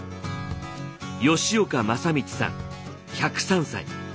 吉岡政光さん１０３歳。